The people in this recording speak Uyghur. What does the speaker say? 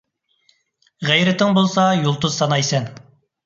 غەيرىتىڭ بولسا يۇلتۇز سانايسەن.